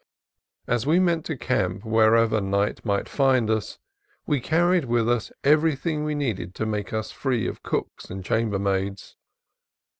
As we meant to camp wherever night might find us, we carried with us everything we needed to make us free of cooks and chambermaids.